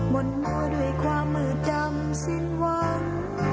มนต์มาด้วยความมืดดำสิ้นวัน